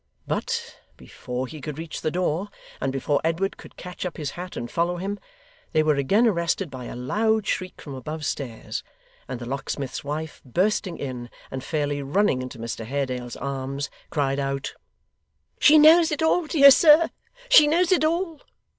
But, before he could reach the door, and before Edward could catch up his hat and follow him, they were again arrested by a loud shriek from above stairs: and the locksmith's wife, bursting in, and fairly running into Mr Haredale's arms, cried out: 'She knows it all, dear sir! she knows it all!